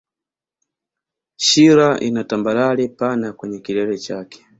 Shira ina tambarare pana kwenye kilele chake